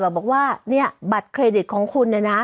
บอกว่าเนี่ยบัตรเครดิตของคุณเนี่ยนะ